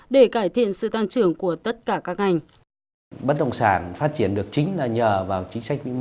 để cải thiện sự tăng trưởng của tất cả các ngành